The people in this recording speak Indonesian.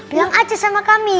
bilang aja sama kami